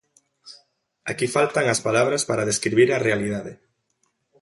Aquí faltan as palabras para describir a realidade.